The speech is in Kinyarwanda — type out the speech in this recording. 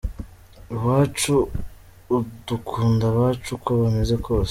Iwacu dukunda abacu uko bameze kose.